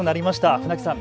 船木さん